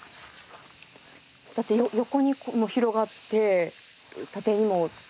だって横に広がって縦にも。